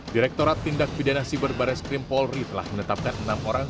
direkturat tindak bidana siberbares krim polri telah menetapkan enam orang